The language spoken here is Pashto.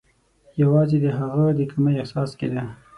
یوازي د هغه د کمۍ احساس کېده.